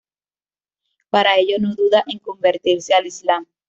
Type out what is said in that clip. Para ello, no duda en convertirse al islam.